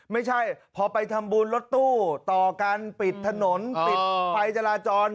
ไม่ใช่พอไปทำบุญรถตู้ต่อกันปิดถนนปิดไฟจราจร